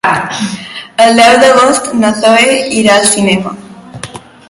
El deu d'agost na Zoè irà al cinema.